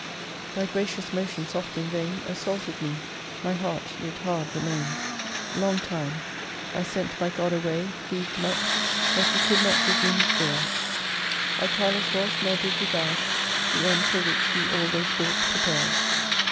'59 4 Thy gracious motions oft in vain Assaulted me : my heart did hard remain Long time ! I sent my God away Grieved much, that He could not give me His joy. I careless was, nor did regard The End for which He all those thoughts prepared.